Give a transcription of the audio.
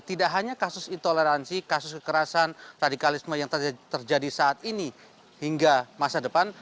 tidak hanya kasus intoleransi kasus kekerasan radikalisme yang terjadi saat ini hingga masa depan